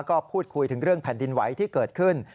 ก็พูดคุยถึงเรื่องแผ่นดินไหวที่เกิดขึ้น